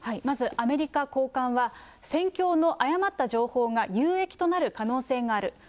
まずアメリカ高官は、戦況の誤った情報が有益となる可能性がある。